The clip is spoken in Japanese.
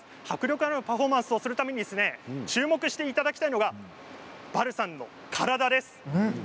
迫力あるパフォーマンスをするために注目していただきたいのがバルさんの体です。